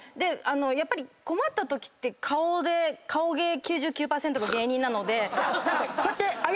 やっぱり困ったときって顔で顔芸９９％の芸人なので何かこうやってあやすんです。